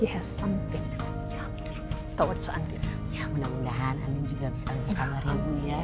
sesuatu soal santin yang mudah mudahan juga bisa